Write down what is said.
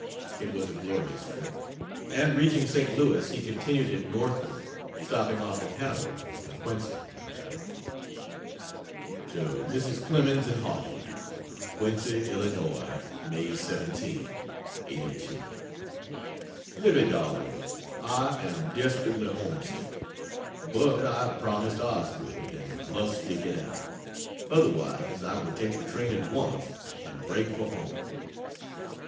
It was a glorious trip, and, reaching St. Louis, he continued it northward, stopping off at Hannibal and Quincy.' To Mrs. Clemens, in Hartford: QUINCY, ILL. May 17, '82. Livy darling, I am desperately homesick. But I have promised Osgood, and must stick it out; otherwise I would take the train at once and break for home.